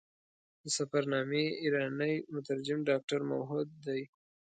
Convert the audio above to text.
د سفرنامې ایرانی مترجم ډاکټر موحد دی.